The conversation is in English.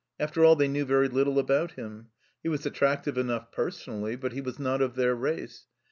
After all, they knew very little about him. He was attractive enough personally, but he was not of their race.